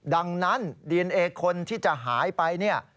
ดังนั้นดีเอ็นเอคนที่จะหายไป